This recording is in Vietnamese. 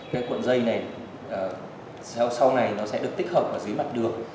cái cuộn dây này sau này nó sẽ được tích hợp ở dưới mặt đường